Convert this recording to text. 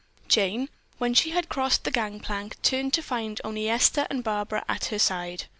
Jane, when she had crossed the gang plank, turned to find only Esther and Barbara at her side.